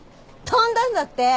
飛んだんだって。